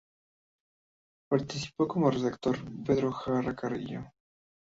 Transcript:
Participó como redactor Pedro Jara Carrillo.